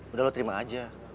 udah lo terima aja